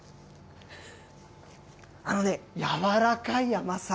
あのね、柔らかい甘さ。